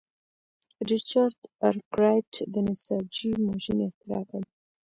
ریچارډ ارکرایټ د نساجۍ ماشین اختراع کړ.